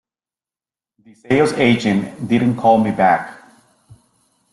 The sales agent didn't call me back.